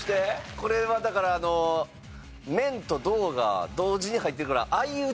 これはだからあの面と胴が同時に入ってるから相打ち。